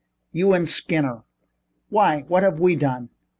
"You and Skinner." "Why, what have we done?"